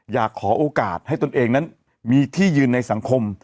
อยากขอโอกาสให้ตนเองนั้นมีที่ยืนในสังคม